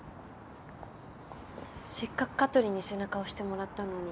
せっかく香取に背中押してもらったのに。